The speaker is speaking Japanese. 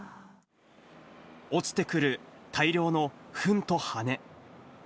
落ちてくる大量のふんと羽根。